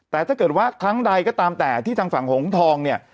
แต่ถ้าเกิดว่าครั้งใดก็ตามแต่ที่ทางฝั่งหงทองเนี่ย